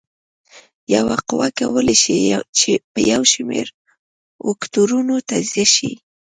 یوه قوه کولی شي په یو شمېر وکتورونو تجزیه شي.